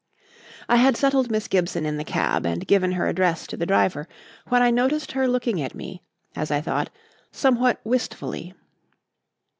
I had settled Miss Gibson in the cab and given her address to the driver, when I noticed her looking at me, as I thought, somewhat wistfully.